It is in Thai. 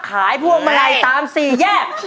พวงมาลัยตามสี่แยก